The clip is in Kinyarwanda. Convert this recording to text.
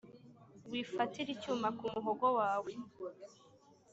wifatira icyuma ku muhogo wawe